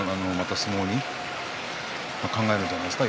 相撲考えるんじゃないですか。